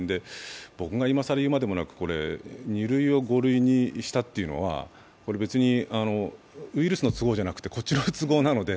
僕が今更言うまでもなく、２類を５類にしたというのは別にウイルスの都合じゃなくてこっちの都合なので